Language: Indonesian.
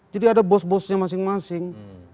jadi ada bos bosnya masing masing